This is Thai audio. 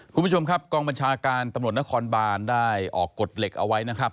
คุณผู้ชมครับกองบัญชาการตำรวจนครบานได้ออกกฎเหล็กเอาไว้นะครับ